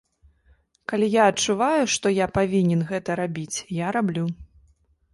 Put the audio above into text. Калі я адчуваю, што я павінен гэта рабіць, я раблю.